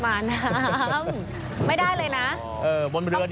หมาน้ำไม่ได้เลยนะ